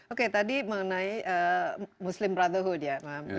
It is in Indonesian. oke tadi mengenai muslim brotherhood ya